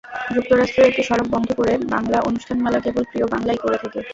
যুক্তরাষ্ট্রের একটি সড়ক বন্ধ করে বাংলা অনুষ্ঠানমালা কেবল প্রিয় বাংলাই করে থেকে।